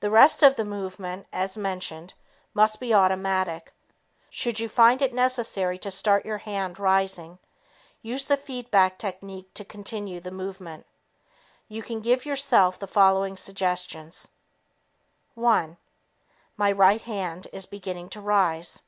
The rest of the movement, as mentioned, must be automatic. Should you find it necessary to start your hand rising, use the feed back technique to continue the movement. You can give yourself the following suggestions: "One ... My right hand is beginning to rise.